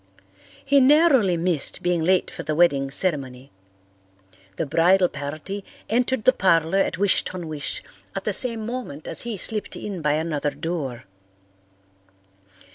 He narrowly missed being late for the wedding ceremony. The bridal party entered the parlour at Wish ton wish at the same moment as he slipped in by another door.